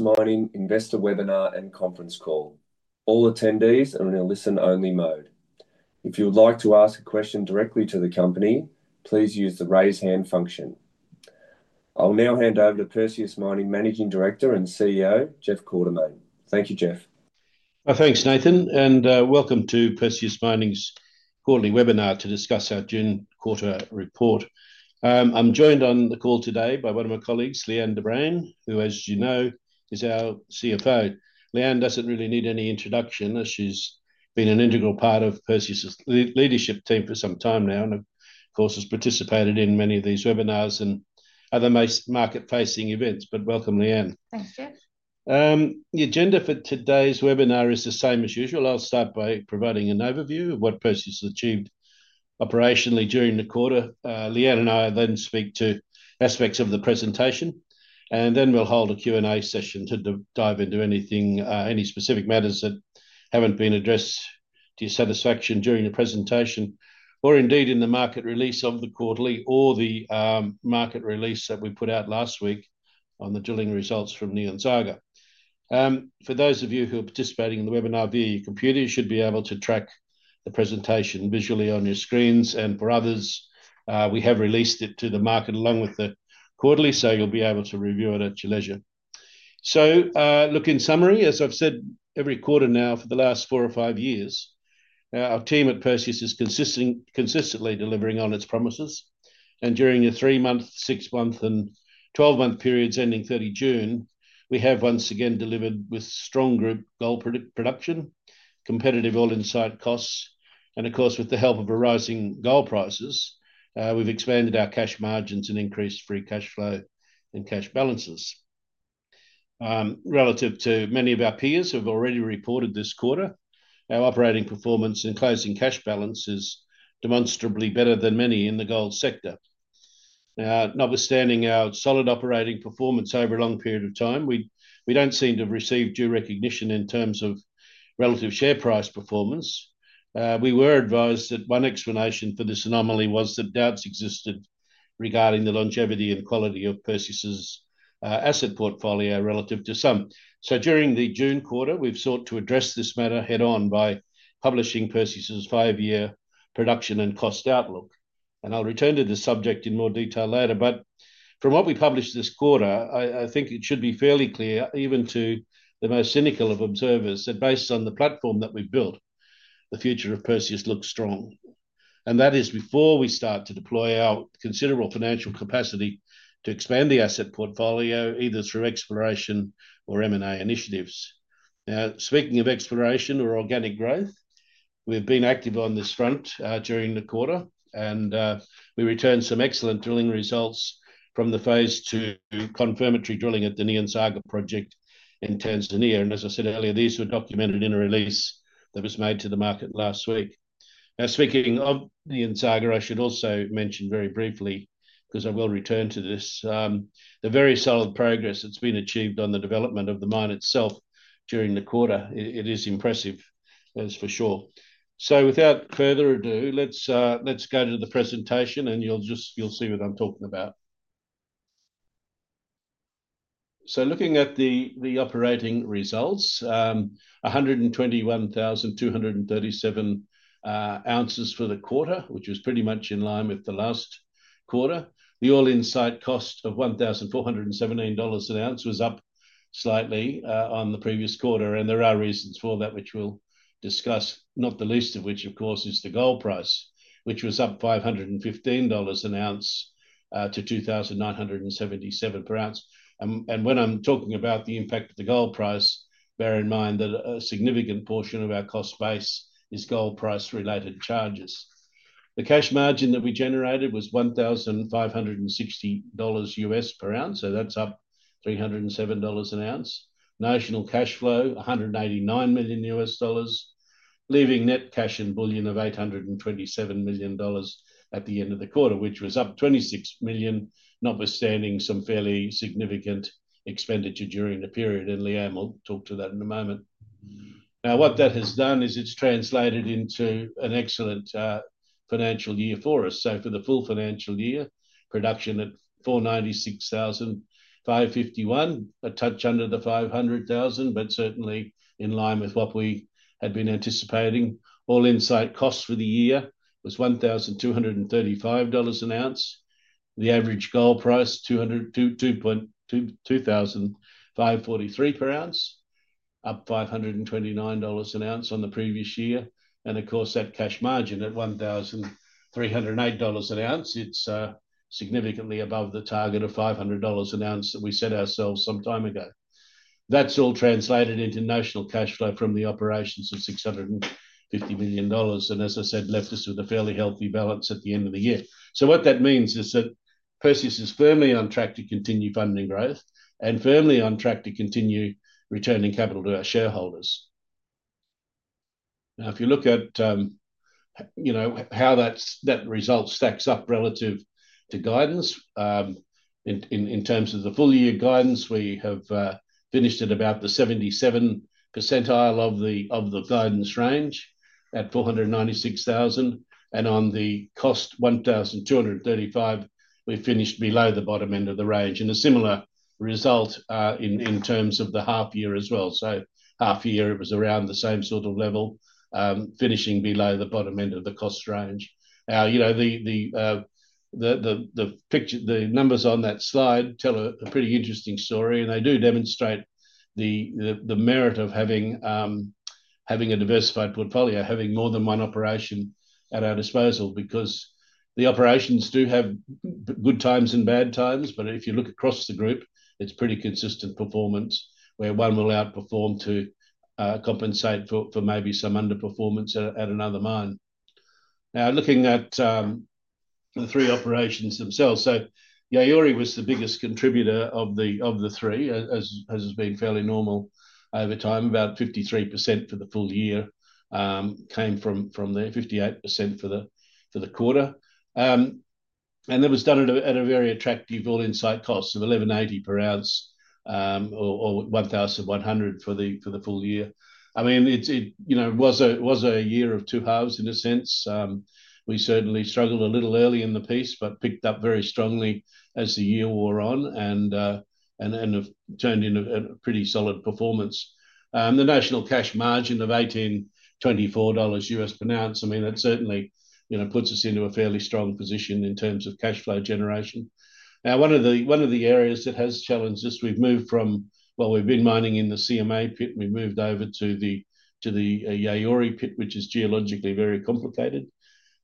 Mining Investor Webinar and Conference Call. All attendees are in a listen only mode. If you would like to ask a question directly to the company, please use the raise hand function. I'll now hand over to Perseus Mining Managing Director and CEO Jeff Quartermaine. Thank you Jeff. Thanks Nathan, and welcome to Perseus Mining's quarterly webinar to discuss our June quarter report. I'm joined on the call today by one of my colleagues, Lee-Anne de Bruin, who as you know is our CFO. Lee-Anne doesn't really need any introduction as she's been an integral part of Perseus leadership team for some time now and of course has participated in many of these webinars and other most market facing events. Welcome Lee-Anne. Thanks Jeff. The agenda for today's webinar is the same as usual. I'll start by providing an overview of what Perseus achieved operationally during the quarter. Lee-Anne and I then speak to aspects of the presentation, and then we'll hold a Q&A session to dive into any specific matters that haven't been addressed to your satisfaction during the presentation or indeed in the market release of the quarterly or the market release that we put out last week on the drilling results from Nyanzaga. For those of you who are participating in the webinar via your computer, you should be able to track the presentation visually on your screens. For others, we have released it to the market along with the quarterly, so you'll be able to review it at your leisure. In summary, as I've said every quarter now for the last four or five years, our team at Perseus is consistently delivering on its promises, and during the three-month, six-month, and 12-month periods ending 30 June, we have once again delivered with strong group gold production, competitive all-in sustaining costs, and of course with the help of rising gold prices, we've expanded our cash margins and increased free cash flow and cash balances. Relative to many of our peers who have already reported this quarter, our operating performance and closing cash balances are demonstrably better than many in the gold sector. Now, notwithstanding our solid operating performance over a long period of time, we don't seem to have received due recognition in terms of relative share price performance. We were advised that one explanation for this anomaly was that doubts existed regarding the longevity and quality of Perseus's asset portfolio relative to some. During the June quarter, we've sought to address this matter head on by publishing Perseus's five year production and cost outlook. I'll return to this subject in more detail later, but from what we published this quarter, I think it should be fairly clear even to the most cynical of observers that based on the platform that we've built, the future of Perseus looks strong. That is before we start to deploy our considerable financial capacity to expand the asset portfolio either through exploration or M&A initiatives. Speaking of exploration or organic growth, we've been active on this front during the quarter, and we returned some excellent drilling results from the phase II confirmatory drilling at the Nyanzaga Gold Project in Tanzania. As I said earlier, these were documented in a release that was made to the market last week. Now, speaking of the Nyanzaga, I should also mention very briefly because I will return to this, the very solid progress that's been achieved on the development of the mine itself during the quarter. It is impressive, that's for sure. Without further ado, let's go to the presentation and you'll see what I'm talking about. Looking at the operating results, 121,237 ounces for the quarter, which was pretty much in line with the last quarter. The all-in sustaining cost of $1,417 an ounce was up slightly on the previous quarter and there are reasons for that which we'll discuss, not the least of which of course is the gold price, which was up $515 an ounce to $2,977 per ounce. When I'm talking about the impact of the gold price, bear in mind that a significant portion of our cost base is gold price related charges. The cash margin that we generated was $1,560 per ounce. That's up $307 an ounce. Notional cash flow was $189 million, leaving net cash and bullion of $827 million at the end of the quarter, which was up $26 million, notwithstanding some fairly significant expenditure during the period. Lee-Anne will talk to that in a moment. What that has done is it's translated into an excellent financial year for us. For the full financial year, production at 496,551, a touch under the 500,000, but certainly in line with what we had been anticipating. All-in sustaining costs for the year was $1,235 an ounce. The average gold price $2,205.43 per ounce, up $529 an ounce on the previous year. Of course, that cash margin at $1,308 an ounce, it's significantly above the target of $500 an ounce that we set ourselves some time ago. That's all translated into notional cash flow from the operations of $650 million and, as I said, left us with a fairly healthy balance at the end of the year. What that means is that Perseus is firmly on track to continue funding growth and firmly on track to continue returning capital to our shareholders. If you look at how that result stacks up relative to guidance, in terms of the full year guidance, we have finished at about the 77% percentile of the guidance range at 496,000. On the cost, $1,235, we finished below the bottom end of the range. A similar result in terms of the half year as well. At half year it was around the same sort of level, finishing below the bottom end of the cost range. The numbers on that slide tell a pretty interesting story and they do demonstrate the merit of having a diversified portfolio, having more than one operation at our disposal because the operations do have good times and bad times. If you look across the group, it's pretty consistent performance where one will outperform to compensate for maybe some underperformance at another mine. Now looking at the three operations themselves, Yaouré was the biggest contributor of the three, as has been fairly normal over time. About 53% for the full year came from there, 58% for the quarter. That was done at a very attractive all-in sustaining costs of $1,180 per ounce or $1,100 for the full year. I mean it was a year of two halves in a sense. We certainly struggled a little early in the piece, but picked up very strongly as the year wore on and turned into pretty solid performance. The notional cash margin of $1,824 that certainly puts us into a fairly strong position in terms of cash flow generation. One of the areas that has challenged us, we've moved from mining in the CMA pit, we moved over to the Yaouré pit, which is geologically very complicated,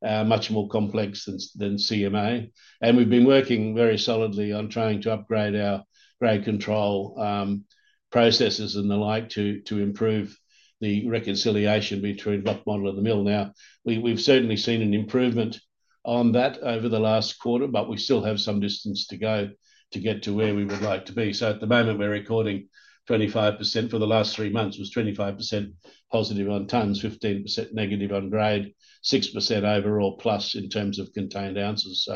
much more complex than CMA. We've been working very solidly on trying to upgrade our grade control processes and the like to improve the reconciliation between block model and the mill. We've certainly seen an improvement on that over the last quarter but we still have some distance to go to get to where we would like to be. At the moment we're recording 25% for the last three months, 25% positive on tonnes, 15% negative on grade, 6% overall plus in terms of contained ounces.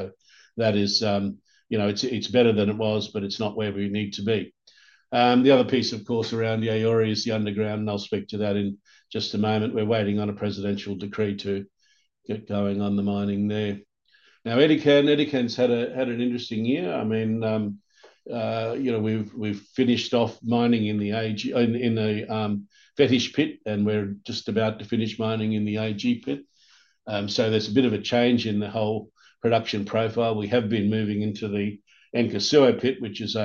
That is, you know, it's better than it was but it's not where we need to be. The other piece of course around the Yaouré is the underground and I'll speak to that in just a moment. We're waiting on a presidential decree to get going on the mining there now. Edikan's had an interesting year. We've finished off mining in the AG pit and we're just about to finish mining in the AG pit. There's a bit of a change in the whole production profile. We have been moving into the Nkosuo pit which is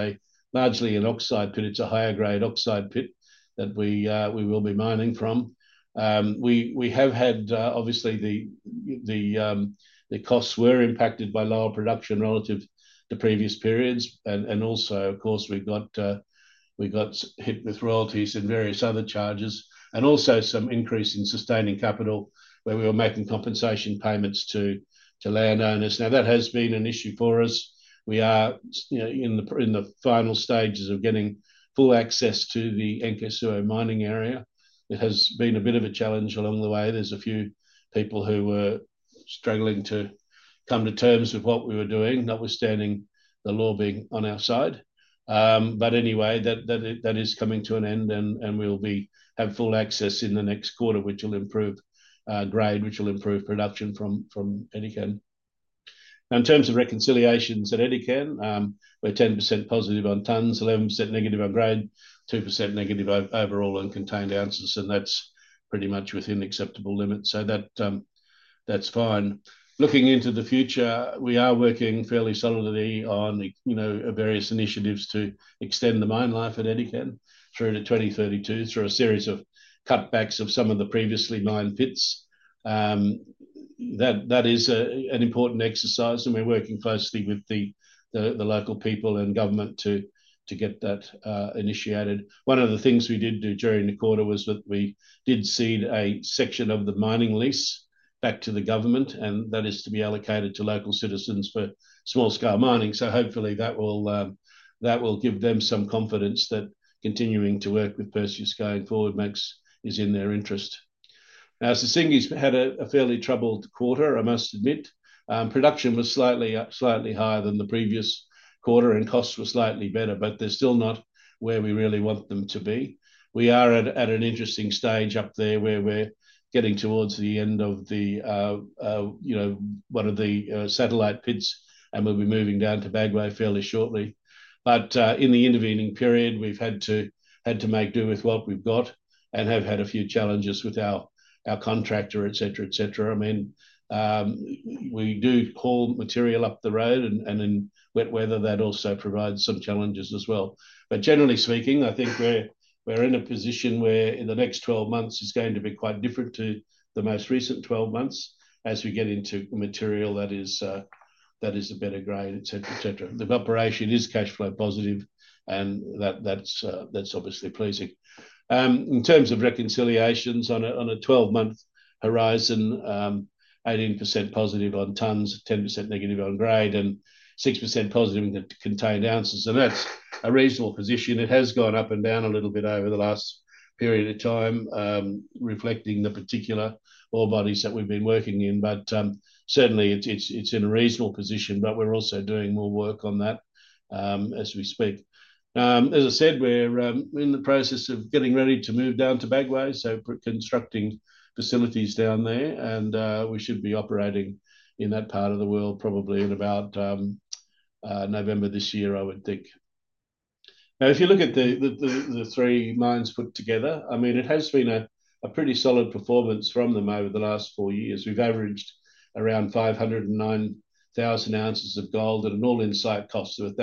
largely an oxide pit. It's a higher grade oxide pit that we will be mining from. We have had, obviously, the costs were impacted by lower production relative to previous periods, and also, of course, we got hit with royalties and various other charges and also some increase in sustaining capital where we were making compensation payments to landowners. That has been an issue for us. We are in the final stages of getting full access to the Nkosuo mining area. It has been a bit of a challenge along the way. There's a few people who were struggling to come to terms with what we were doing, notwithstanding the law being on our side. Anyway, that is coming to an end, and we'll have full access in the next quarter, which will improve grade, which will improve production from Edikan. In terms of reconciliations at Edikan, we're 10% positive on tonnes, 11% negative on grade, 2% negative overall on contained ounces, and that's pretty much within acceptable limits. That's fine. Looking into the future, we are working fairly solidly on various initiatives to extend the mine life at Edikan through to 2032 through a series of cutbacks of some of the previously mined pits. That is an important exercise, and we're working closely with the local people and government to get that initiated. One of the things we did during the quarter was that we did cede a section of the mining lease back to the government, and that is to be allocated to local citizens for small-scale mining. Hopefully, that will give them some confidence that continuing to work with Perseus going forward is in their interest. Now, Sissingué's had a fairly troubled quarter, I must admit. Production was slightly higher than the previous quarter, and costs were slightly better, but they're still not where we really want them to be. We are at an interesting stage up there where we're getting towards the end of one of the satellite pits, and we'll be moving down to Bagoé fairly shortly. In the intervening period, we've had to make do with what we've got and have had a few challenges with our contractor, etc. We do haul material up the road, and in wet weather, that also provides some challenges as well. Generally speaking, I think we're in a position where the next 12 months are going to be quite different to the most recent 12 months as we get into material that is a better grade, etc. The operation is cash flow positive and that's obviously pleasing in terms of reconciliations. On a 12-month horizon, 18% positive on tonnes, 10% negative on grade, and 6% positive contained ounces. That's a reasonable position. It has gone up and down a little bit over the last period of time, reflecting the particular ore bodies that we've been working in. It's in a reasonable position. We're also doing more work on that as we speak. As I said, we're in the process of getting ready to move down to Bagoé, so constructing facilities down there and we should be operating in that part of the world probably in about November this year, I would think. Now, if you look at the three mines put together, it has been a pretty solid performance from them. Over the last four years we've averaged around 509,000 ounces of gold at an all-in sustaining cost of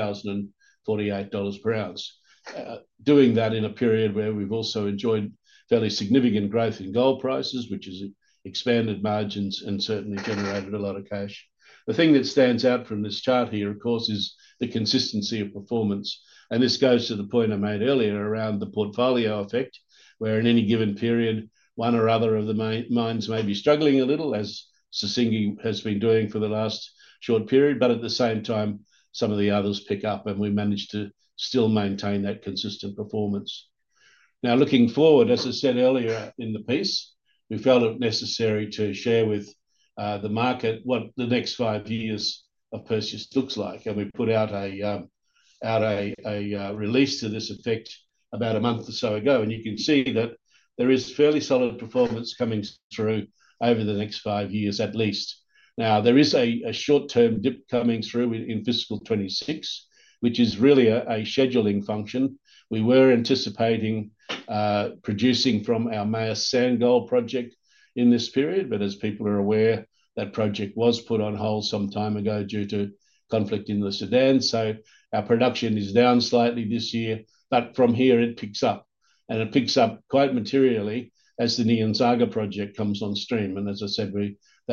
$1,048 per ounce. Doing that in a period where we've also enjoyed fairly significant growth in gold prices, which has expanded margins and certainly generated a lot of cash. The thing that stands out from this chart here, of course, is the consistency of performance. This goes to the point I made earlier around the portfolio effect, where in any given period one or other of the mines may be struggling a little, as Sissingué has been doing for the last short period. At the same time, some of the others pick up and we managed to still maintain that consistent performance. Now, looking forward, as I said earlier in the piece, we felt it necessary to share with the market what the next five years of Perseus looks like. We put out a release to this effect about a month or so ago. You can see that there is fairly solid performance coming through over the next five years at least. There is a short term dip coming through in fiscal 2026, which is really a scheduling function. We were anticipating producing from our Meyas Sand Gold Project in this period. As people are aware, that project was put on hold some time ago due to conflict in Sudan. Our production is down slightly this year. From here it picks up and it picks up quite materially as the Nyanzaga Project comes on stream. As I said,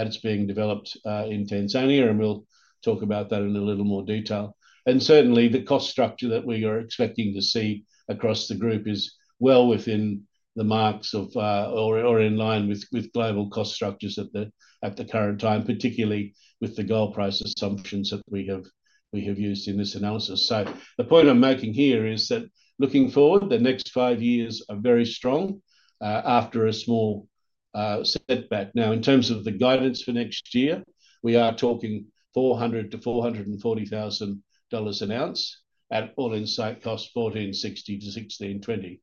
it's being developed in Tanzania and we'll talk about that in a little more detail. Certainly, the cost structure that we are expecting to see across the group is well within the marks of or in line with global cost structures at the current time, particularly with the gold price assumptions that we have used in this analysis. The point I'm making here is that looking forward, the next five years are very strong after a small setback. In terms of the guidance for next year, we are talking 400,000 to 440,000 ounces at all-in sustaining costs $1,460 to $1,620.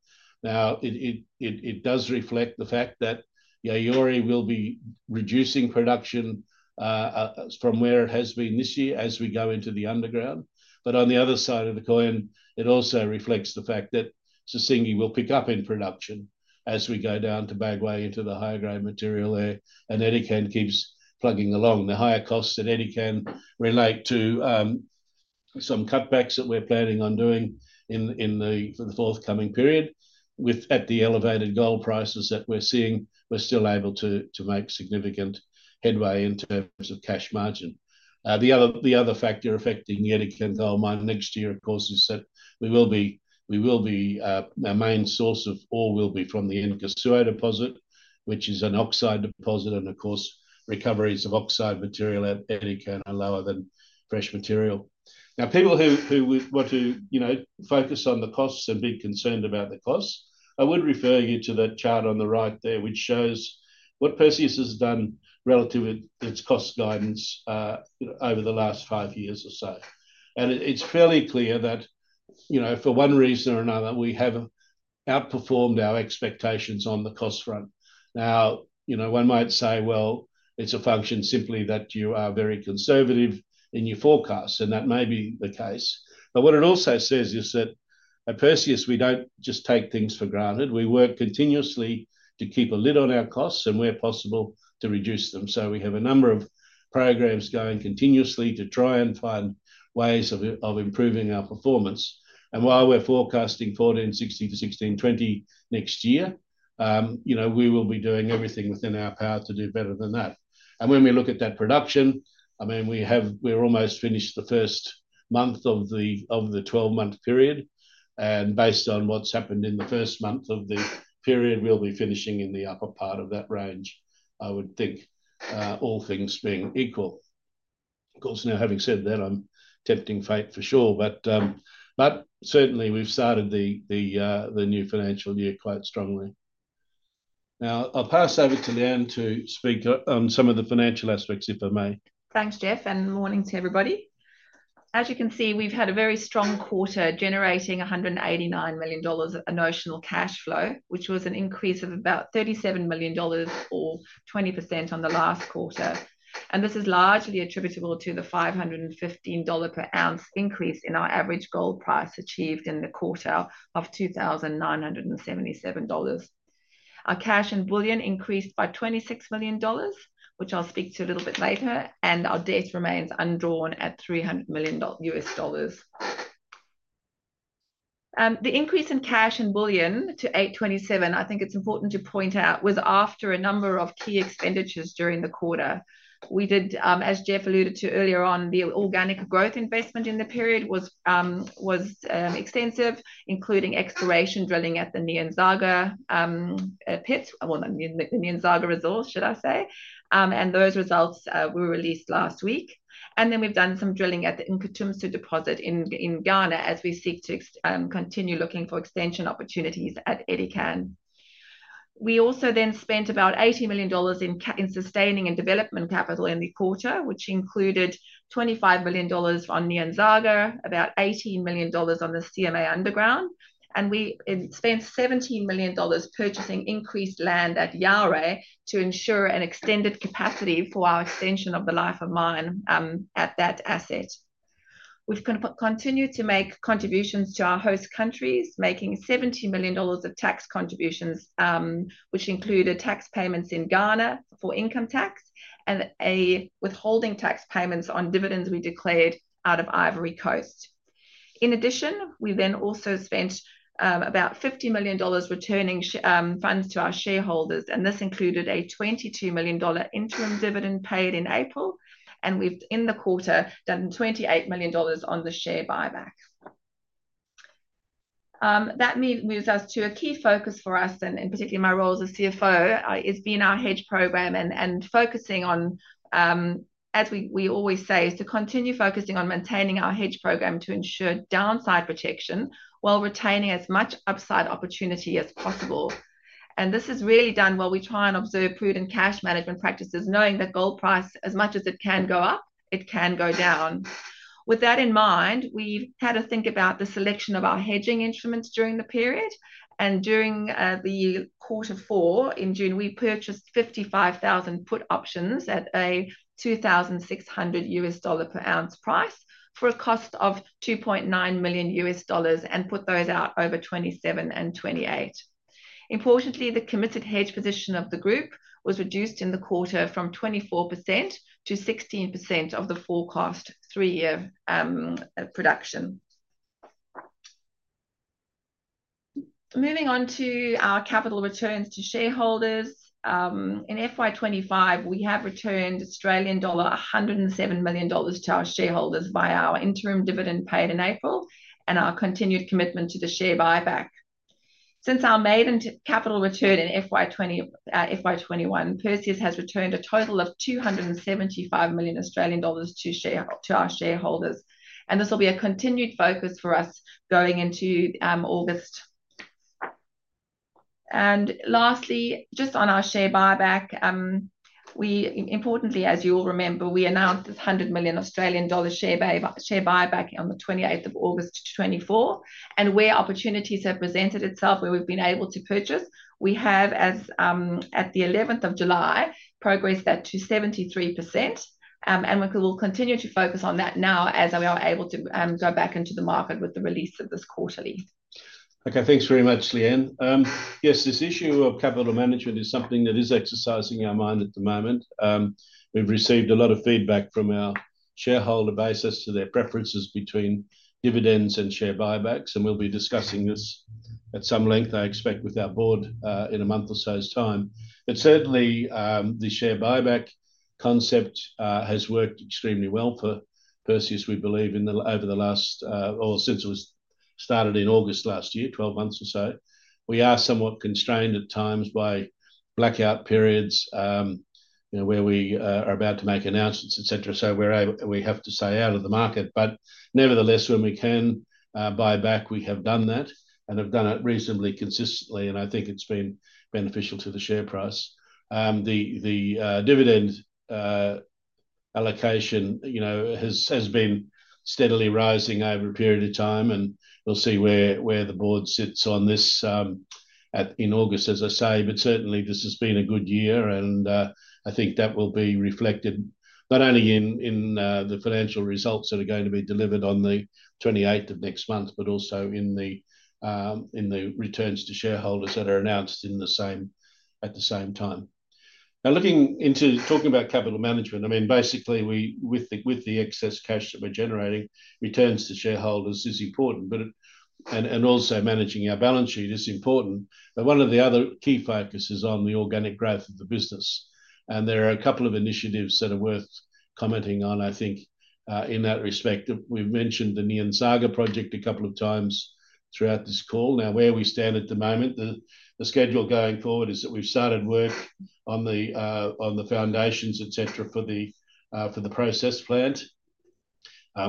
It does reflect the fact that Yaouré will be reducing production from where it has been this year as we go into the underground. On the other side of the coin, it also reflects the fact that Sissingué will pick up in production as we go down to Bagoé into the higher grade material there and Edikan keeps plugging along. The higher costs at Edikan relate to some cutbacks that we're planning on doing in the forthcoming period. At the elevated gold prices that we're seeing, we're still able to make significant headway in terms of cash margin. The other factor affecting Edikan Gold Mine next year, of course, is that our main source of ore will be from the Nkosuo deposit, which is an oxide deposit. Recoveries of oxide material at Edikan are lower than fresh material. People who want to focus on the costs and be concerned about the costs, I would refer you to that chart on the right there which shows what Perseus has done relative to its cost guidance over the last five years or so. It's fairly clear that, for one reason or another, we have outperformed our expectations on the cost front. One might say, well, it's a function simply that you are very conservative in your forecasts. That may be the case. What it also says is that at Perseus, we don't generalize or just take things for granted. We work continuously to keep a lid on our costs and, where possible, to reduce them. We have a number of programs going continuously to try and find ways of improving our performance. While we're forecasting $1,460 to $1,620 next year, we will be doing everything within our power to do better than that. When we look at that production, we are almost finished the first month of the 12-month period. Based on what's happened in the first month of the period, we'll be finishing in the upper part of that range, I would think, all things being equal, of course. Now, having said that, I'm tempting fate for sure, but certainly we've started the new financial year quite strongly. I'll pass over to Lee-Anne to speak on some of the financial aspects, if I may. Thanks, Jeff, and morning to everybody. As you can see, we've had a very strong quarter generating $189 million notional cash flow, which was an increase of about $37 million or 20% on the last quarter. This is largely attributable to the $515 per ounce increase in our average gold price achieved in the quarter of $2,977. Our cash and bullion increased by $26 million, which I'll speak to a little bit later, and our debt remains undrawn at $300 million. The increase in cash and bullion to $827 million, I think it's important to point out, was after a number of key expenditures during the quarter. As Jeff alluded to earlier on, the organic growth investment in the period was extensive, including exploration drilling at the Nyanzaga pits, and those results were released last week. We've done some drilling at the Nkutumsu deposit in Ghana as we seek to continue looking for extension opportunities at Edikan. We also then spent about $80 million in sustaining and development capital in the quarter, which included $25 million on Nyanzaga, about $18 million on the CMA Underground project, and we spent $17 million purchasing increased land at Yaouré to ensure an extended capacity for our extension of the life of mine at that asset. We've continued to make contributions to our host countries, making $70 million of tax contributions, which included tax payments in Ghana for income tax and withholding tax payments on dividends we declared out of Côte d’Ivoire. In addition, we then also spent about $50 million returning funds to our shareholders and this included a $22 million interim dividend paid in April and we've in the quarter done $28 million on the share buyback. That moves us to a key focus for us and particularly my role as CFO is being our hedge program and focusing on, as we always say, to continue focusing on maintaining our hedge program to ensure downside protection while retaining as much upside opportunity as possible. This is really done while we try and observe prudent cash management practices, knowing that gold price, as much as it can go up, it can go down. With that in mind, we've had a think about the selection of our hedging instruments during the period and during the quarter four. In June we purchased 55,000 put options at a $2,600 per ounce price for a cost of $2.9 million and put those out over 2027 and 2028. Importantly, the committed hedge position of the group was reduced in the quarter from 24% to 16% of the forecast three-year production. Moving on to our capital returns to shareholders in FY25, we have returned Australian dollar 107 million to our shareholders by our interim dividend paid in April and our continued commitment to the share buyback. Since our maiden capital return in FY21, Perseus Mining Limited has returned a total of 275 million Australian dollars to our shareholders and this will be a continued focus for us going into August. Lastly, just on our share buyback, importantly, as you all remember, we announced this 100 million Australian dollar share buyback on 28th of August 2024 and opportunities have presented itself where we've been able to purchase. We have, as at the 11th of July, progressed that to 73% and we will continue to focus on that now as we are able to go back into the market with the release of this quarterly. Thanks very much, Lee-Anne. Yes, this issue of capital management is something that is exercising our mind at the moment. We've received a lot of feedback from our shareholder base as to their preferences between dividends and share buybacks, and we'll be discussing this at some length, I expect, with our board in a month or so's time. Certainly, the share buyback concept has worked extremely well for Perseus. We believe over the last, or since it was started in August last year, 12 months or so, we are somewhat constrained at times by blackout periods where we are about to make announcements, etc. We have to stay out of the market. Nevertheless, when we can buy back, we have done that and have done it reasonably consistently, and I think it's been beneficial to the share price. The dividend allocation has been steadily rising over a period of time, and you'll see where the board sits on this in August, as I say. Certainly, this has been a good year, and I think that will be reflected not only in the financial results that are going to be delivered on the 28th of next month, but also in the returns to shareholders that are announced at the same time. Now, talking about capital management, basically with the excess cash that we're generating, returns to shareholders is important and also managing our balance sheet is important. One of the other key focuses is on the organic growth of the business, and there are a couple of initiatives that are worth commenting on, I think, in that respect. We've mentioned the Nyanzaga Gold Project a couple of times throughout this call. Where we stand at the moment, the schedule going forward is that we've started work on the foundations, etc., for the process plant.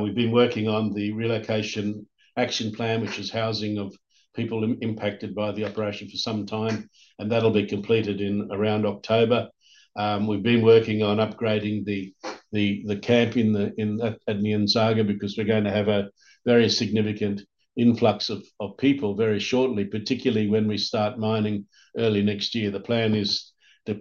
We've been working on the relocation action plan, which is housing of people impacted by the operation for some time, and that'll be completed in around October. We've been working on upgrading the camp at Nyanzaga because we're going to have a very significant influx of people very shortly, particularly when we start mining early next year. The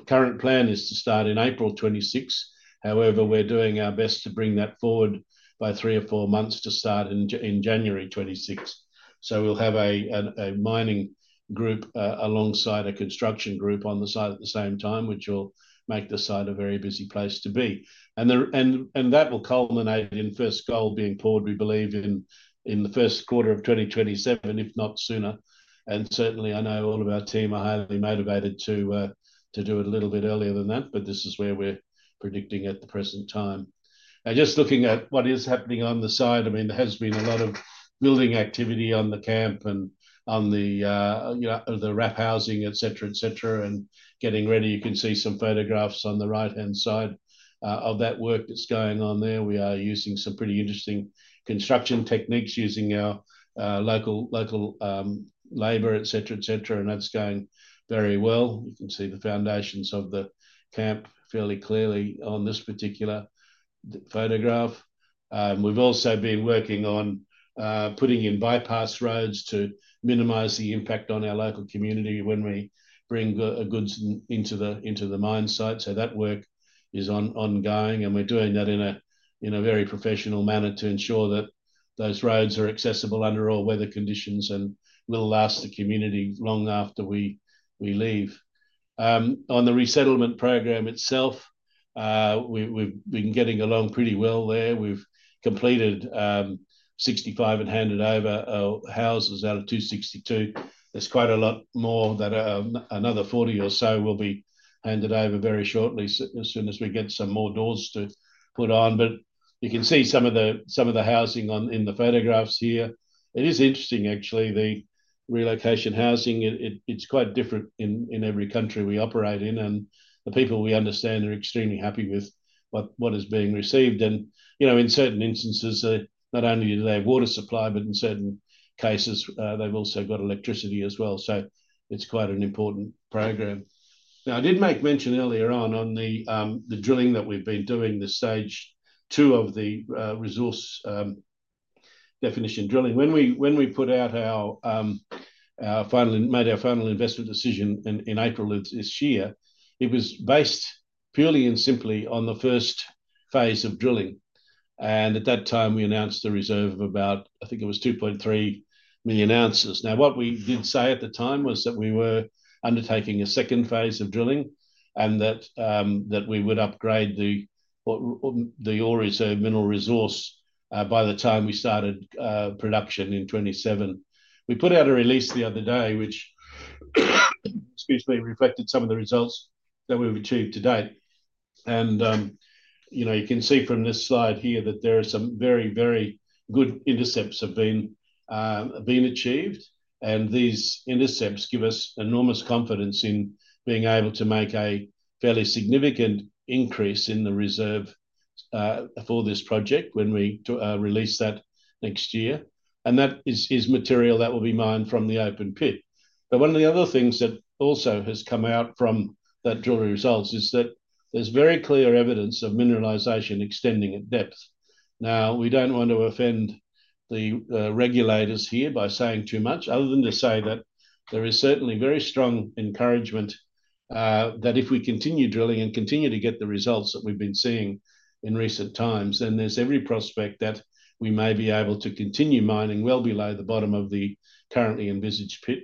current plan is to start in April 2026. However, we're doing our best to bring that forward by three or four months to start in January 2026. We'll have a mining group alongside a construction group on the site at the same time, which will make the site a very busy place to be. That will culminate in first gold being poured, we believe in the first quarter of 2027, if not sooner. I know all of our team are highly motivated to do it a little bit earlier than that. This is where we're predicting at the present time. Just looking at what is happening on the site, there has been a lot of building activity on the camp and on the RAP housing, etc., etc., and getting ready. You can see some photographs on the right-hand side of that work that's going on there. We are using some pretty interesting construction techniques, using our local labor, et cetera, et cetera, and that's going very well. You can see the foundations of the camp fairly clearly on this particular photograph. We've also been working on putting in bypass roads to minimize the impact on our local community when we bring goods into the mine site. That work is ongoing and we're doing that in a very professional manner to ensure that those roads are accessible under all weather conditions and will last the community long after we leave. On the resettlement program itself, we've been getting along pretty well there. We've completed 65 and handed over houses out of 262. There's quite a lot more; another 40 or so will be handed over very shortly as soon as we get some more doors to put on. You can see some of the housing in the photographs here. It is interesting actually, the relocation housing. It's quite different in every country we operate in. The people, we understand, are extremely happy with what is being received. In certain instances, not only do they have water supply, but in certain cases they've also got electricity as well. It's quite an important program. I did make mention earlier on the drilling that we've been doing, the stage two of the resource definition drilling. When we put out our final investment decision in April this year, it was based purely and simply on the first phase of drilling. At that time we announced the reserve of about, I think it was 2.3 million ounces. What we did say at the time was that we were undertaking a second phase of drilling and that we would upgrade the ore as a mineral resource by the time we started production in 2027. We put out a release the other day which, excuse me, reflected some of the results that we've achieved to date. You can see from this slide here that there are some very, very good intercepts have been achieved. These intercepts give us enormous confidence in being able to make a fairly significant increase in the reserve for this project when we release that next year. That is material that will be mined from the open pit. One of the other things that also has come out from that drilling results is that there's very clear evidence of mineralization extending at depth. We don't want to offend the regulators here by saying too much other than to say that there is certainly very strong encouragement that if we continue drilling and continue to get the results that we've been seeing in recent times, then there's every prospect that we may be able to continue mining well below the bottom of the currently envisaged pit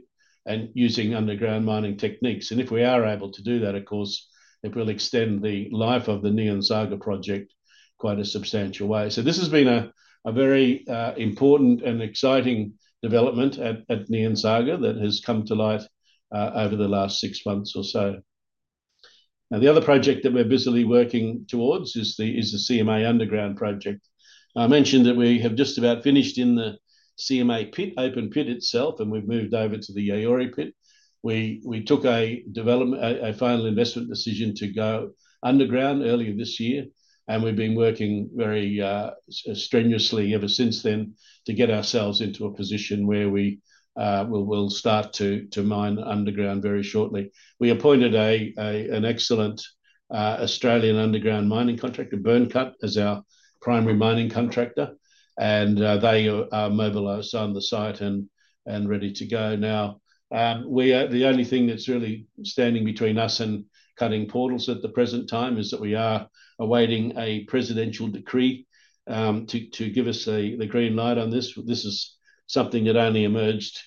and using underground mining techniques. If we are able to do that, of course it will extend the life of the Nyanzaga Gold Project quite a substantial way. This has been a very important and exciting development at Nyanzaga that has come to light over the last six months or so. The other project that we're busily working towards is the CMA Underground project. I mentioned that we have just about finished in the CMA pit, open pit itself, and we've moved over to the Yaouré pit. We took a final investment decision to go underground earlier this year and we've been working very strenuously ever since then to get ourselves into a position where we will start to mine underground very shortly. We appointed an excellent Australian underground mining contractor, Byrnecut, as our primary mining contractor and they are mobilized on the site and ready to go. The only thing that's really standing between us and cutting portals at the present time is that we are awaiting a presidential decree to give us the green light on this. This is something that only emerged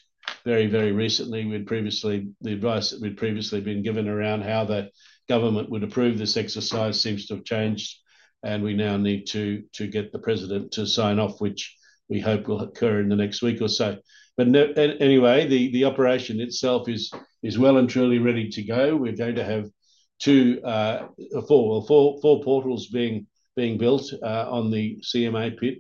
very, very recently. The advice that we'd previously been given around how the government would approve this exercise seems to have changed and we now need to get the President to sign off, which we hope will occur in the next week or so. The operation itself is well and truly ready to go. We're going to have four portals being built on the CMA pit,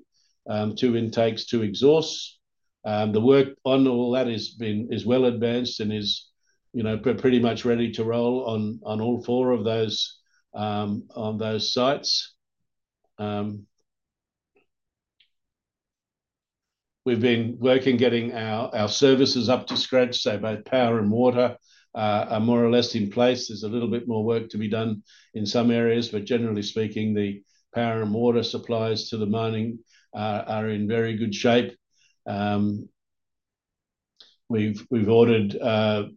two intakes, two exhausts. The work on all that is well advanced and is pretty much ready to roll on all four of those. On those sites we've been working, getting our services up to scratch. Both power and water are more or less in place. There's a little bit more work to be done in some areas, but generally speaking, the power and water supplies to the mining are in very good shape. We've ordered the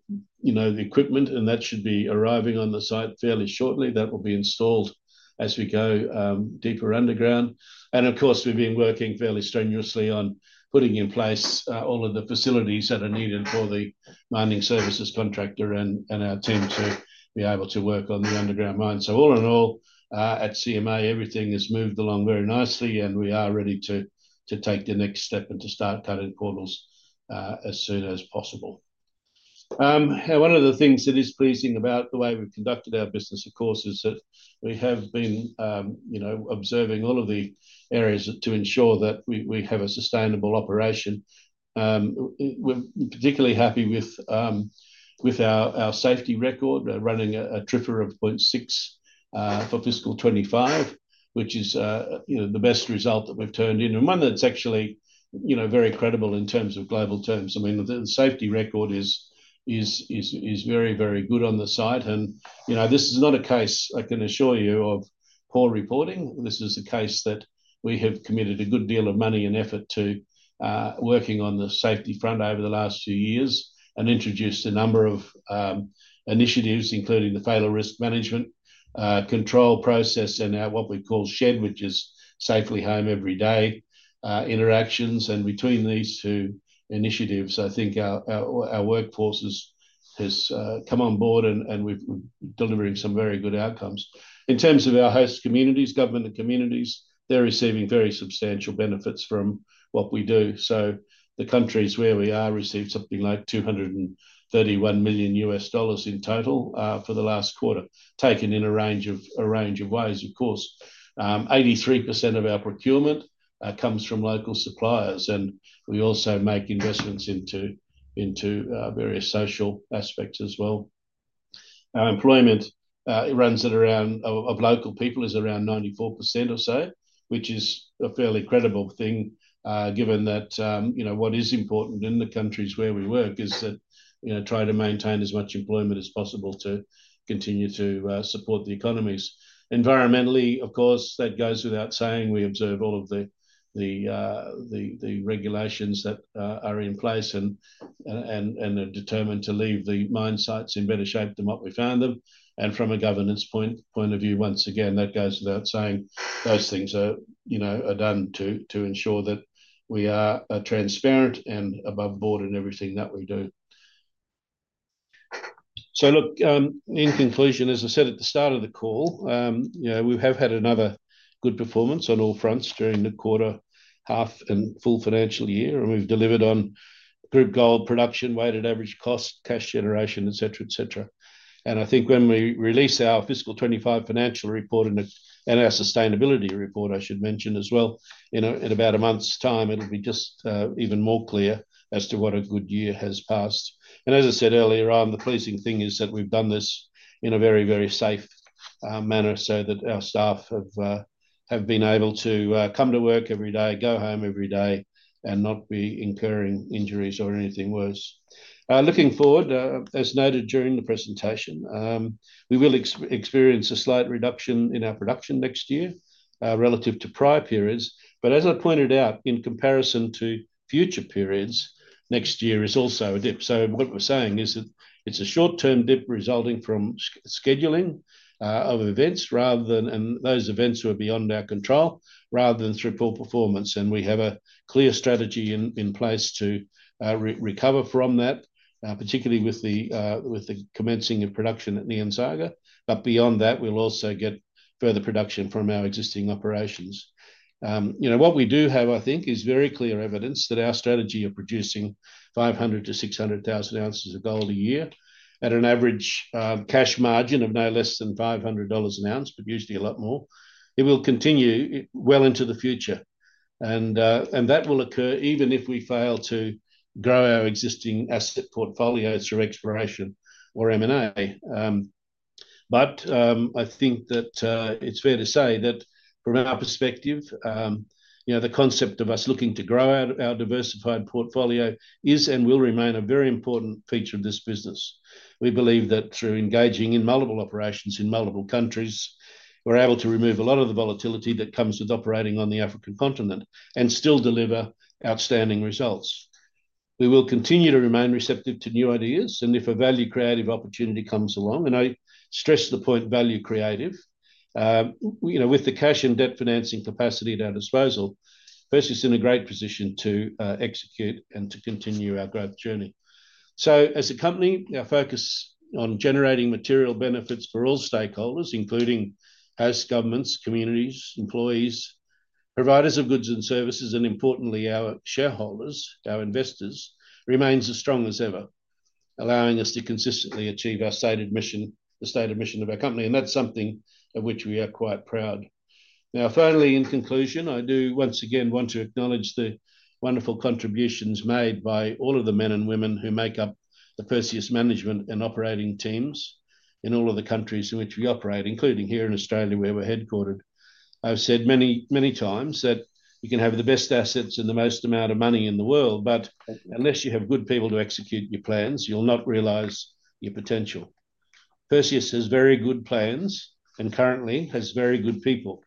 equipment and that should be arriving on the site fairly shortly. That will be installed as we go deeper underground. Of course, we've been working fairly strenuously on putting in place all of the facilities that are needed for the mining services contractor and our team to be able to work on the underground mine. All in all, at CMA, everything has moved along very nicely and we are ready to take the next step and to start cutting portals as soon as possible. One of the things that is pleasing about the way we've conducted our business is that we have been observing all of the areas to ensure that we have a sustainable operation. We're particularly happy with our safety record, running a TRIFR of 0.6 for fiscal 2025, which is the best result that we've turned in and one that's actually very credible in global terms. The safety record is very, very good on the site. This is not a case, I can assure you, of poor reporting. This is a case that we have committed a good deal of money and effort to working on the safety front over the last few years and introduced a number of initiatives including the Failure Risk Management Control process and what we call SHED, which is Safely Home Every Day interactions. Between these two initiatives, I think our workforce has come on board and we're delivering some very good outcomes. In terms of our host communities, government and communities are receiving very substantial benefits from what we do. The countries where we are received something like $231 million in total for the last quarter, taken in a range of ways. Of course, 83% of our procurement comes from local suppliers. We also make investments into various social aspects as well. Our employment of local people is around 94% or so, which is a fairly credible thing given that what is important in the countries where we work is that we try to maintain as much employment as possible to continue to support the economies. Environmentally, of course, that goes without saying. We observe all of the regulations that are in place and are determined to leave the mine sites in better shape than what we found them. From a governance point of view, once again, that goes without saying, those things are done to ensure that we are transparent and above board in everything that we do. In conclusion, as I said at the start of the call, we have had another good performance on all fronts during the quarter, half and full financial year. We've delivered on group gold production, weighted average cost, cash generation, et cetera, et cetera. I think when we release our Fiscal 2025 financial report and our sustainability report, I should mention, as well as in about a month's time, it'll be just even more clear as to what a good year has passed. As I said earlier, the pleasing thing is that we've done this in a very, very safe manner so that our staff have been able to come to work every day, go home every day and not be incurring injuries or anything worse. Looking forward, as noted during the presentation, we will experience a slight reduction in our production next year relative to prior periods. As I pointed out, in comparison to future periods, next year is also a dip. What we're saying is that it's a short-term dip resulting from scheduling of events rather than, and those events were beyond our control, rather than through poor performance. We have a clear strategy in place to recover from that, particularly with the commencing of production at Nyanzaga. Beyond that, we'll also get further production from our existing operations. You know, what we do have, I think, is very clear evidence that our strategy of producing 500,000 to 600,000 ounces of gold a year at an average cash margin of no less than $500 an ounce, but usually a lot more, it will continue well into the future. That will occur even if we fail to grow our existing asset portfolio through exploration or M&A. I think that it's fair to say that from our perspective, the concept of us looking to grow our diversified portfolio is and will remain a very important feature of this business. We believe that through engaging in multiple operations in multiple countries, we're able to remove a lot of the volatility that comes with operating on the African continent and still deliver outstanding results. We will continue to remain receptive to new ideas if a value creative opportunity comes along, and I stress the point, value creative. With the cash and debt financing capacity at our disposal, Perseus is in a great position to execute and to continue our growth journey. As a company, our focus on generating material benefits for all stakeholders, including households, governments, communities, employees, providers of goods and services, and importantly our shareholders, our investors, remains as strong as ever, allowing us to consistently achieve our stated mission, the stated mission of our company. That's something of which we are quite proud. Finally, in conclusion, I do once again want to acknowledge the wonderful contributions made by all of the men and women who make up the Perseus management and operating teams in all of the countries in which we operate, including here in Australia, where we're headquartered. I've said many, many times that you can have the best assets and the most amount of money in the world, but unless you have good people to execute your plans, you'll not realize your potential. Perseus has very good plans and currently has very good people.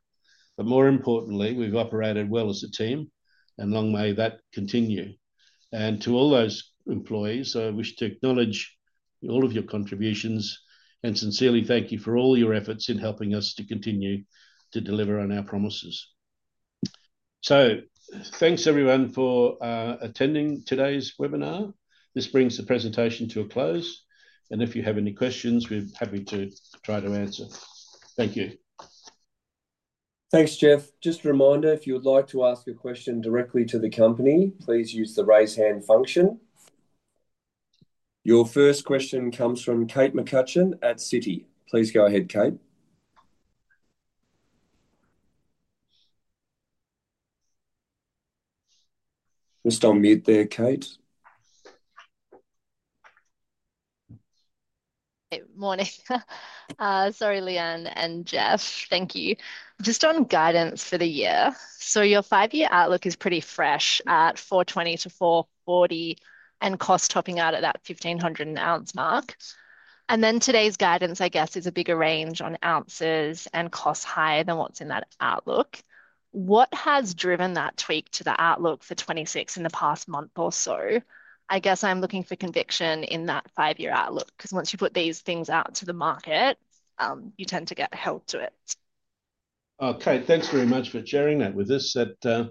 More importantly, we've operated well as a team and long may that continue. To all those employees, I wish to acknowledge all of your contributions and sincerely thank you for all your efforts in helping us to continue to deliver on our promises. Thanks everyone for attending today's webinar. This brings the presentation to a close and if you have any questions, we're happy to try to answer. Thank you. Thanks, Jeff. Just a reminder, if you would like to ask a question directly to the company, please use the raise hand function. Your first question comes from Kate McCutcheon at Citi. Please. Go ahead, Kate. You're just on mute there, Kate. Morning. Sorry, Lee-Anne and Jeff, thank you. Just on guidance for the year, your five-year outlook is pretty fresh at 420 to 440 and cost topping out at that $1,500 an ounce mark. Today's guidance, I guess, is a bigger range on ounces and costs higher than what's in that outlook. What has driven that tweak to the outlook for 2026 in the past month or so? I guess I'm looking for conviction in that five-year outlook because once you put these things out to the market, you tend to get held to it. Kate, thanks very much for sharing that with us. That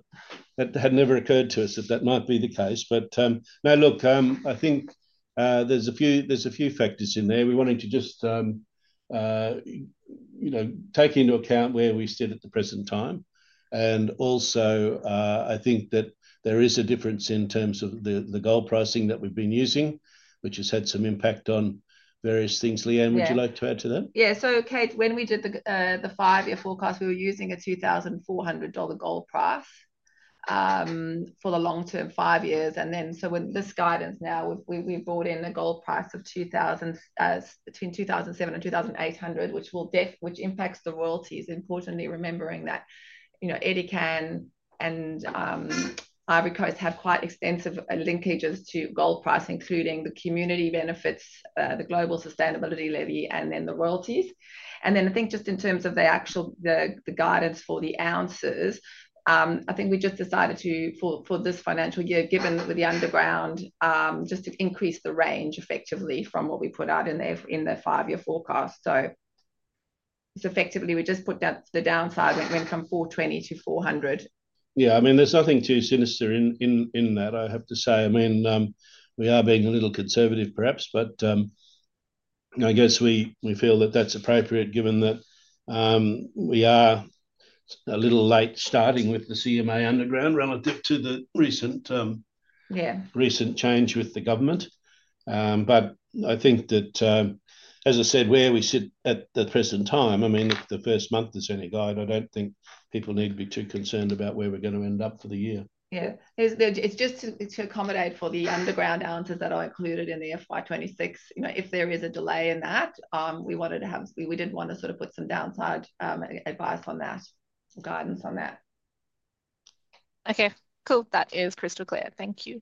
had never occurred to us that that might be the case. I think there's a few factors in there. We're wanting to just take into account where we sit at the present time. I also think that there is a difference in terms of the gold pricing that we've been using, which has had some impact on various things. Lee-Anne, would you like to add to that? Yeah. Kate, when we did the five-year forecast, we were using a $2,004, $400 gold price for the long term, five years. With this guidance now, we brought in the gold price of between $2,007 and $2,800, which will definitely impact the royalties. Importantly, remembering that, you know, Edikan and Côte d’Ivoire have quite extensive linkages to gold price, including the community benefits, the global sustainability levy, and then the royalties. I think just in terms of the actual guidance for the ounces, we just decided for this financial year, given with the underground, just to increase the range effectively from what we put out in the five-year forecast. Effectively, we just put down the downside. Went from 420 to 400. Yeah, I mean, there's nothing too sinister in that, I have to say. I mean, we are being a little conservative perhaps, but I guess we feel that that's appropriate given that we are a little late starting with the CMA Underground relative to the recent change with the government. I think that as I said where we sit at the present time, I mean if the first month is any guide, I don't think people need to be too concerned about where we're going to end up for the year. Yeah, it's just to accommodate for the underground answers that are included in the FY26. If there is a delay in that, we wanted to have, we did want to sort of put some downside advice on that, guidance on that. Okay, cool. That is crystal clear. Thank you.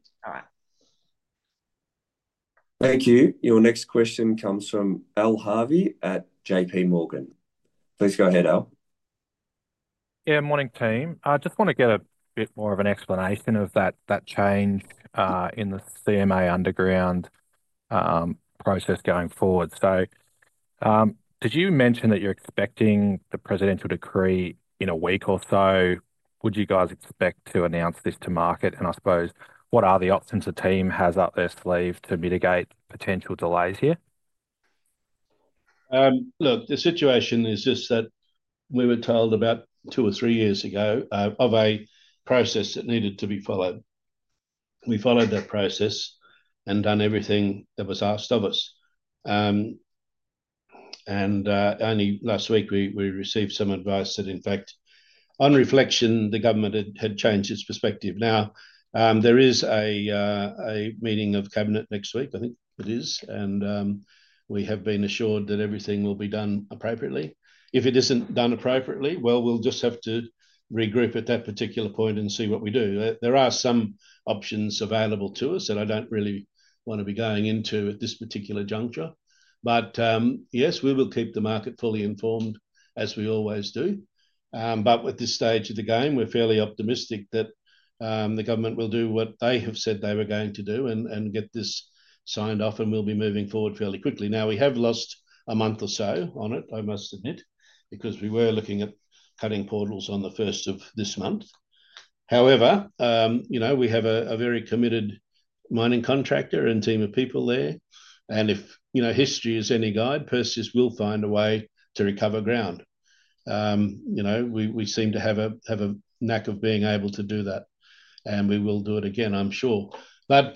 All right. Thank you. Your next question comes from Al Harvey at JPMorgan. Please go ahead, Al. Yeah, morning team. I just want to get a bit more of an explanation of that change in the CMA Underground process going forward. Did you mention that you're expecting the presidential decree in a week or so? Would you guys expect to announce this to market, and I suppose what are the options the team has up their sleeve to mitigate potential delays here? Look, the situation is just that we were told about two or three years ago of a process that needed to be followed. We followed that process and done everything that was asked of us. Only last week we received some advice that in fact, on reflection, the government had changed its perspective. Now there is a meeting of cabinet next week, I think it is, and we have been assured that everything will be done appropriately. If it isn't done appropriately, we'll just have to regroup at that particular point and see what we do. There are some options available to us that I don't really want to be going into at this particular juncture. Yes, we will keep the market fully informed as we always do. At this stage of the game, we're fairly optimistic that the government will do what they have said they were going to do and get this signed off and we'll be moving forward fairly quickly. We have lost a month or so on it, I must admit, because we were looking at cutting portals on the 1st of this month. However, we have a very committed mining contractor and team of people there. If history is any guide, Perseus will find a way to recover ground. We seem to have a knack of being able to do that and we will do it again, I'm sure. In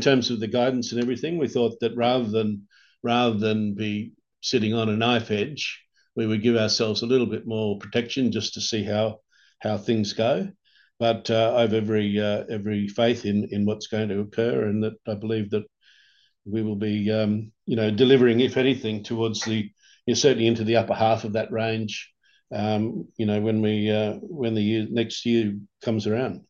terms of the guidance and everything, we thought that rather than be sitting on a knife edge, we would give ourselves a little bit more protection just to see how things go. I have every faith in what's going to occur and that I believe that we will be delivering, if anything, towards the—certainly into the upper half of that range. When the next year comes around,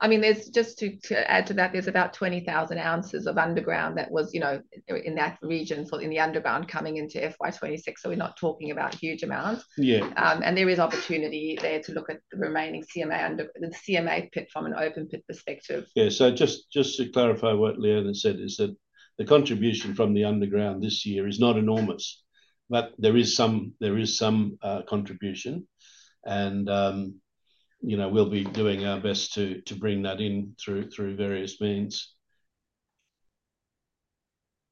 I mean there's just. To add to that, there's about 20,000 ounces of underground that was, you know, in that region, in the underground coming into FY2026. We're not talking about huge amounts, and there is opportunity there to look at the remaining CMA under the CMA pit from an open pit perspective. Yeah, just to clarify, what Lee-Anne has said is that the contribution from the underground this year is not enormous, but there is some contribution. You know, we'll be doing our best to bring that in through various means.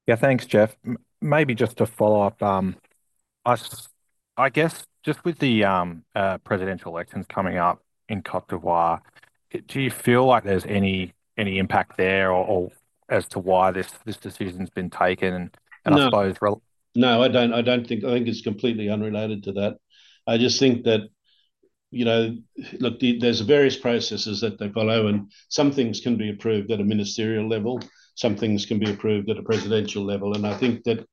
Yeah, thanks, Jeff. Maybe just to follow up, I guess, just with the presidential elections coming up in Côte d’Ivoire, do you feel like there's any impact there or as to why this decision's been taken? No, I don't think, I think it's completely unrelated to that. I just think that, look, there are various processes that they follow and some things can be approved at a ministerial level, some things can be approved at a presidential level. I think that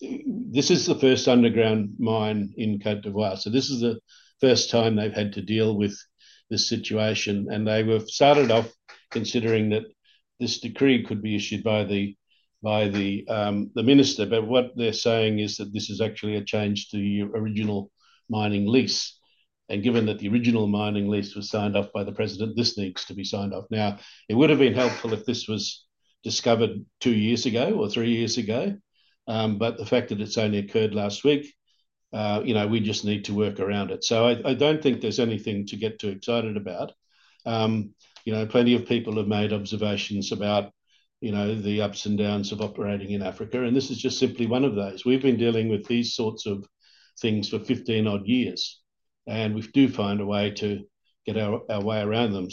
this is the first underground mine in Côte d’Ivoire. This is the first time they've had to deal with this situation. They started off considering that this decree could be issued by the minister, but what they're saying is that this is actually a change to your original mining lease. Given that the original mining lease was signed off by the President, this needs to be signed off now. It would have been helpful if this was discovered two years ago or three years ago, but the fact that it's only occurred last week, you know, we just need to work around it. I don't think there's anything to get too excited about. Plenty of people have made observations about the ups and downs of operating in Africa, and this is just simply one of those. We've been dealing with these sorts of things for 15 odd years and we do find a way to get our way around them.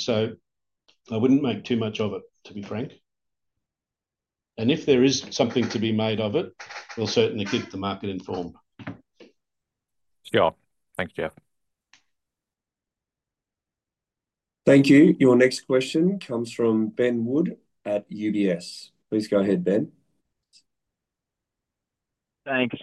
I wouldn't make too much of it, to be frank. If there is something to be made of it, we'll certainly keep the market informed. Sure. Thanks, Jeff. Thank you. Your next question comes from Ben Wood at UBS. Please go ahead, Ben. Thanks.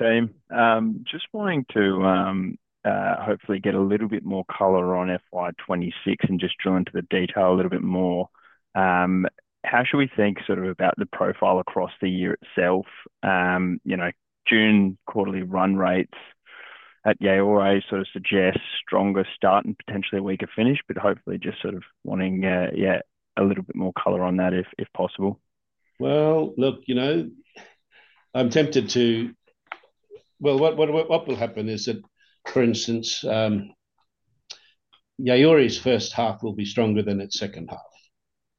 Just wanting to hopefully get a little bit more color on FY26 and just drill into the detail a little bit more. How should we think about the profile across the year itself? You know, June quarterly run rates at Yaouré sort of suggest a stronger start and potentially a weaker finish, but hopefully just wanting a little bit more color on that if possible. You know, I'm tempted to. What will happen is that, for instance, Yaouré's first half will be stronger than its second half.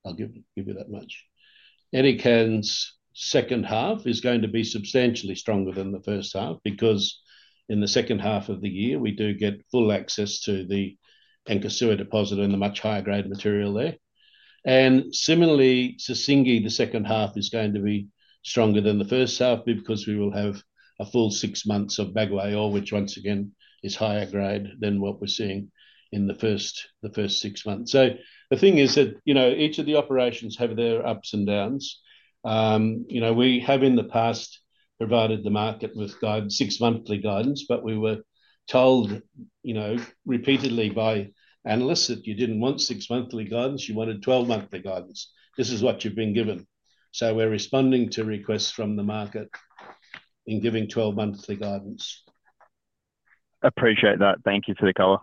I'll give you that much. Edikan's second half is going to be substantially stronger than the first half because in the second half of the year we do get full access to the Nkosuo deposit and the much higher grade material there. Similarly, Sissingué, the second half is going to be stronger than the first half because we will have a full six months of Bagoé, which once again is higher grade than what we're seeing in the first six months. The thing is that each of the operations have their ups and downs. We have in the past provided the market with 6 monthly guidance, but we were told repeatedly by analysts that you didn't want six monthly guidance, you wanted 12 monthly guidance. This is what you've been given. We're responding to requests from the market in giving 12 monthly guidance. Appreciate that. Thank you for the color.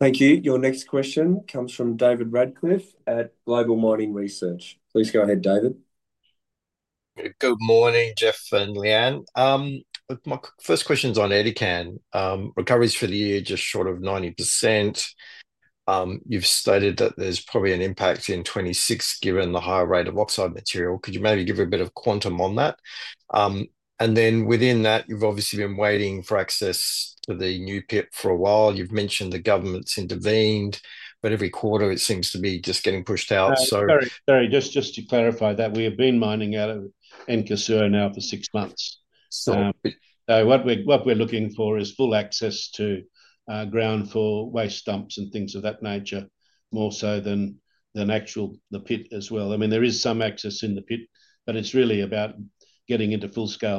Thank you. Your next question comes from David Radcliffe at Global Mining Research. Please go ahead, David. Good morning, Jeff and Lee-Anne. My first question's on Edikan recoveries for the year. Just short of 90%. You've stated that there's probably an impact in 2026, given the higher rate of oxide material. Could you maybe give a bit of quantum on that? Within that, you've obviously been waiting for access to the new pit for a while. You've mentioned the government's intervened, but every quarter it seems to be just getting pushed out. Just to clarify, we have been mining out of Nkosuo now for six months. What we're looking for is full access to ground for waste dumps and things of that nature, more so than the actual pit as well. There is some access in the pit, but it's really about getting into full-scale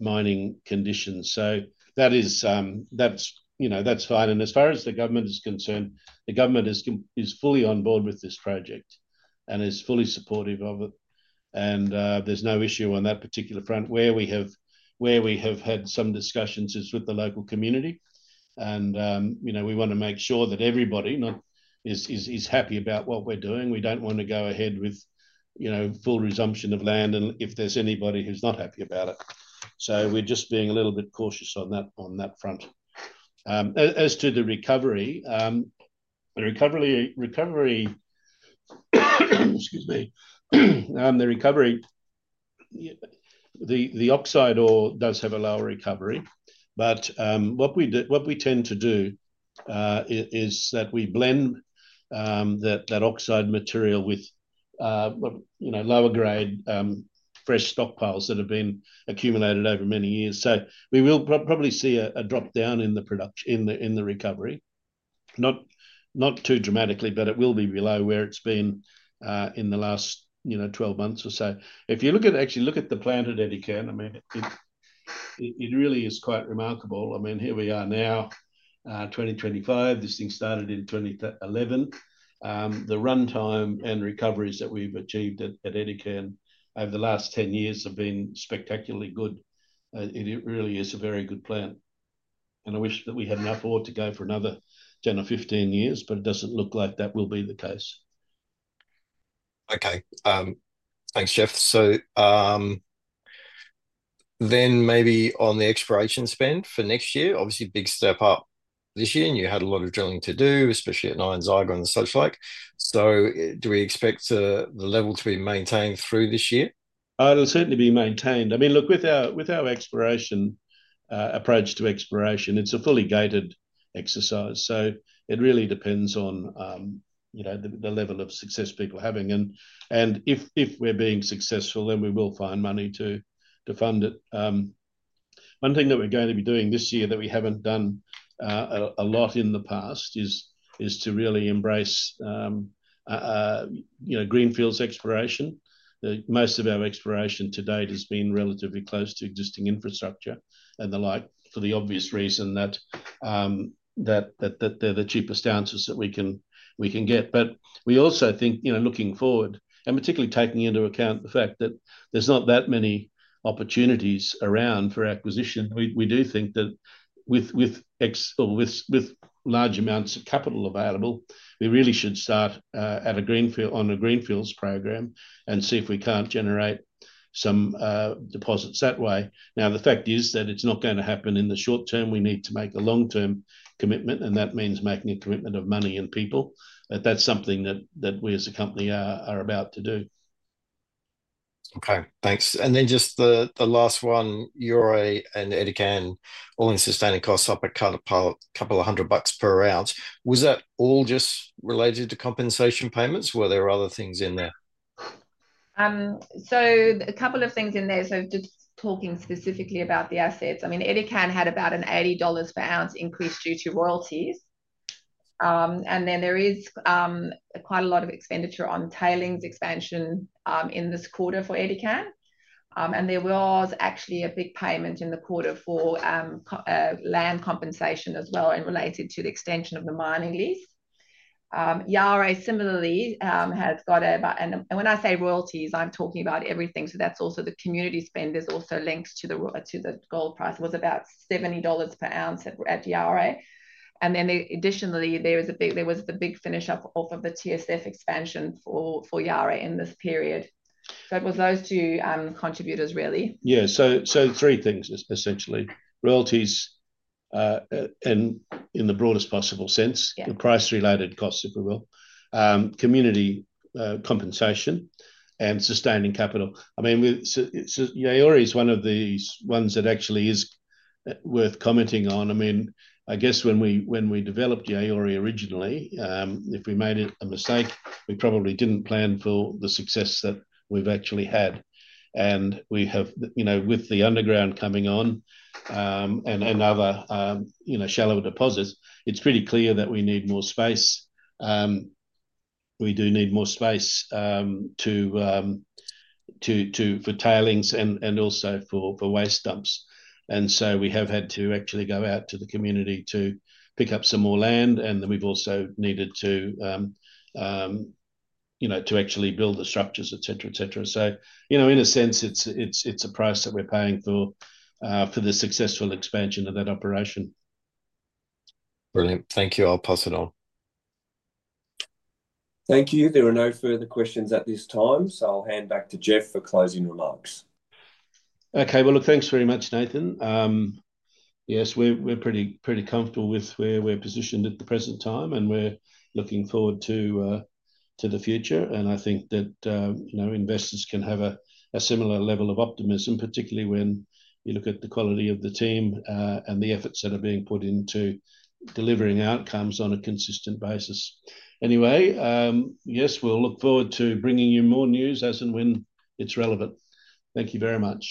mining conditions. That is fine. As far as the government is concerned, the government is fully on board with this project and is fully supportive of it. There's no issue on that particular front. Where we have had some discussions is with the local community, and we want to make sure that everybody is happy about what we're doing. We don't want to go ahead with full resumption of land if there's anybody who's not happy about it. We're just being a little bit cautious on that front. As to the recovery, the oxide ore does have a lower recovery. What we tend to do is blend that oxide material with lower grade fresh stockpiles that have been accumulated over many years. We will probably see a drop down in the recovery, not too dramatically, but it will be below where it's been in the last 12 months or so. If you actually look at the plant at Edikan, it really is quite remarkable. Here we are now, 2025. This thing started in 2011. The runtime and recoveries that we've achieved at Edikan over the last 10 years have been spectacularly good. It really is a very good plant, and I wish that we had enough ore to go for another 10 or 15 years, but it doesn't look like that will be the case. Okay, thanks Jeff. So. Maybe on the exploration spend for next year, obviously big step up this year and you had a lot of drilling to do, especially at Nyanzaga and such like. Do we expect the level to be maintained through this year? It'll certainly be maintained. I mean, look, with our approach to exploration, it's a fully gated exercise. It really depends on the level of success people are having. If we're being successful, then we will find money to fund it. One thing that we're going to be doing this year that we haven't done a lot in the past is to really embrace greenfields exploration. Most of our exploration to date has been relatively close to existing infrastructure and the like for the obvious reason that they're the cheapest answers that we can get. We also think, looking forward and particularly taking into account the fact that there's not that many opportunities around for acquisition, we do think that with large amounts of capital available, we really should start a greenfields program and see if we can't generate some deposits that way. The fact is that it's not going to happen in the short term. We need to make a long-term commitment, and that means making a commitment of money and people. That's something that we as a company are about to do. Okay, thanks. The last one, Yaouré and Edikan all-in sustaining costs up a couple of hundred bucks per ounce. Was that all just related to compensation payments? Were there other things in there? A couple of things in there. Just talking specifically about the assets, I mean, Edikan had about an $80 per ounce increase due to royalties. There is quite a lot of expenditure on tailings expansion in this quarter for Edikan. There was actually a big payment in the quarter for land compensation as well, related to the extension of the mining lease. Yaouré similarly has got, and when I say royalties, I'm talking about everything, so that's also the community spend. There's also links to the gold price, was about $70 per ounce at Yaouré. Additionally, there was the big finish up of the TSF expansion for Yaouré in this period. It was those two contributors, really. Yeah. Three things essentially: royalties and, in the broadest possible sense, price-related costs, if we will, community compensation, and sustaining capital. Yaouré is one of these ones that actually is worth commenting on. I guess when we developed Yaouré originally, if we made a mistake, we probably didn't plan for the success that we've actually had. We have, you know, with the underground coming on and other, you know, shallower deposits, it's pretty clear that we need more space. We do need more space for tailings and also for waste dumps. We have had to actually go out to the community to pick up some more land. We've also needed to. You. To actually build the structures, et cetera, et cetera, it's a price that we're paying for the successful expansion of that operation. Brilliant. Thank you. I'll pass it on. Thank you. There are no further questions at this time, so I'll hand back to Jeff for closing remarks. Okay, thank you very much, Nathan. Yes, we're pretty comfortable with where we're positioned at the present time and we're looking forward to the future. I think that investors can have a similar level of optimism, particularly when you look at the quality of the team and the efforts that are being put into delivering outcomes on a consistent basis. Anyway, we'll look forward to bringing you more news as and when it's relevant. Thank you very much.